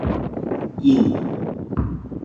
Ин...